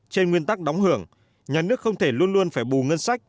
trên nguyên tắc đóng hưởng nhà nước không thể luôn luôn phải bù ngân sách